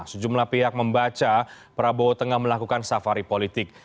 sejumlah pihak membaca prabowo tengah melakukan safari politik